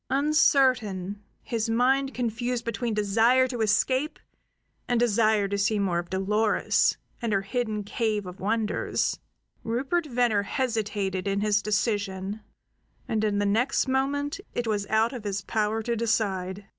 Uncertain, his mind confused between desire to escape and desire to see more of Dolores and her hidden cave of wonders, Rupert Venner hesitated in his decision; and in the next moment it was out of his power to decide.